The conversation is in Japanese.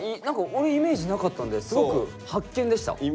何か俺イメージなかったんですごく発見でした。